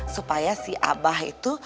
supaya si abah itu